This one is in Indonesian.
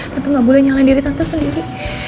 tante gak boleh nyalain diri tante sendiri